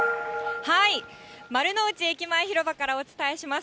丸の内駅前広場からお伝えします。